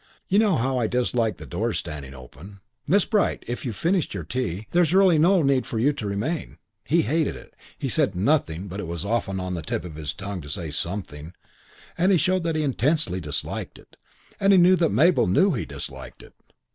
You know how I dislike the doors standing open." "Miss Bright, if you've finished your tea, there's really no need for you to remain." He hated it. He said nothing, but it was often on the tip of his tongue to say something, and he showed that he intensely disliked it, and he knew that Mabel knew he disliked it.